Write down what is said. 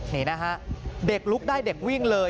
นี่นะฮะเด็กลุกได้เด็กวิ่งเลย